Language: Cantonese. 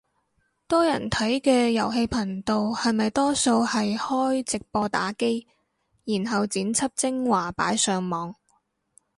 多人睇嘅遊戲頻道係咪多數係開直播打機，然後剪輯精華擺上網